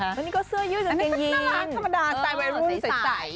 อันนี้ก็เสื้อยู่อยู่เต็นยีนน่ารักธรรมดาใส่รุ่นใส่